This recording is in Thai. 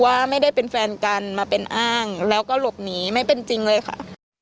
ว่าไม่ได้เป็นแฟนกันมาเป็นอ้างแล้วก็หลบหนีไม่เป็นจริงเลยค่ะ